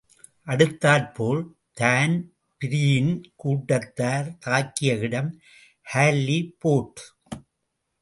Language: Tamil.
அடுத்தாற் போல் தான்பிரீன் கூட்டத்தார் தாக்கிய இடம் ஹால்லி போர்டு.